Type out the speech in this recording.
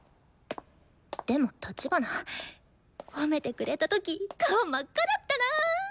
でも立花褒めてくれた時顔真っ赤だったなぁ。